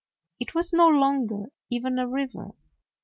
It was no longer even a river.